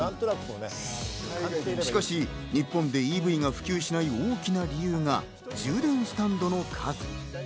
しかし、日本でＥＶが普及しない大きな理由が充電スタンドの数。